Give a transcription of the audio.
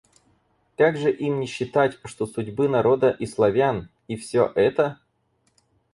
Как же им не считать, что судьбы народа и Славян... и всё это?